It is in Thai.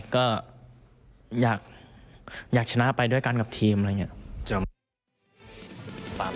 ก็อยากชนะไปด้วยกันกับทีมอะไรอย่างนี้